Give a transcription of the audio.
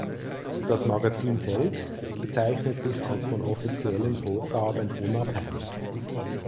Das Magazin selbst bezeichnet sich als von offiziellen Vorgaben unabhängig.